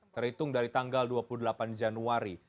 terhitung dari tanggal dua puluh delapan januari